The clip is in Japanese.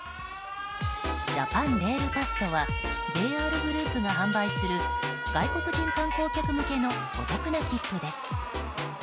ジャパン・レール・パスとはＪＲグループが販売する外国人観光客向けのお得な切符です。